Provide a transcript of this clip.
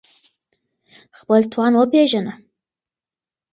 خپل توان وپېژنه